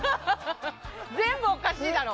全部おかしいだろ。